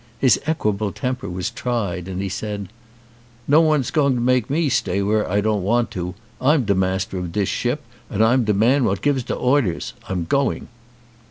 His equable temper was tried and he said : "No one's going to make me stay where I don't want to. I'm de master of dis ship andJL'm de man what gives de orders. I'm going."